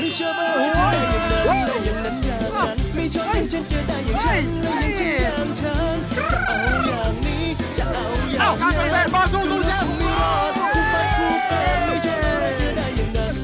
เฮ้อหัวหน้าสุดยอดเลย